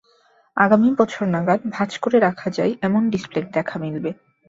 আগামী বছর নাগাদ ভাঁজ করে রাখা যায় এমন ডিসপ্লের দেখা মিলবে।